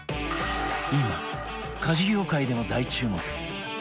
今家事業界でも大注目